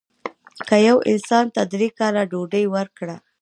که یو انسان ته درې کاله ډوډۍ ورکړه.